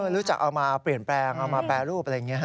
รู้จักเอามาเปลี่ยนแปลงเอามาแปรรูปอะไรอย่างนี้